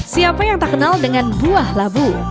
siapa yang tak kenal dengan buah labu